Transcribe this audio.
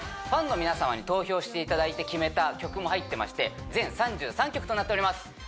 ファンの皆様に投票していただいて決めた曲も入ってまして全３３曲となっております